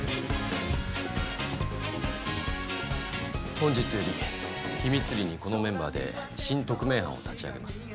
本日より秘密裏にこのメンバーで新特命班を立ち上げます。